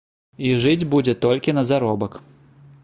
І жыць будзе толькі на заробак.